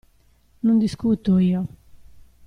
Non discuto, io.